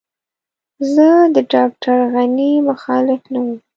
زه د ډاکټر غني مخالف نه وم.